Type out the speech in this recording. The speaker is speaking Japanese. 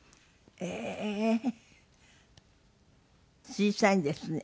小さいんですね。